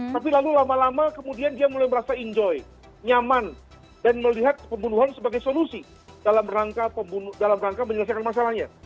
tapi lalu lama lama kemudian dia mulai merasa enjoy nyaman dan melihat pembunuhan sebagai solusi dalam rangka menyelesaikan masalahnya